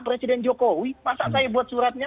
presiden jokowi masa saya buat suratnya